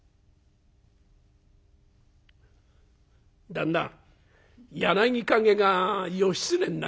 「旦那『柳陰』が義経になりました」。